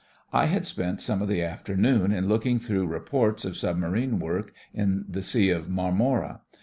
I had spent some of the afternoon in looking through reports of submarine work in the Sea of IMarmora.